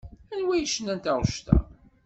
Anwa yecnan taɣect-a?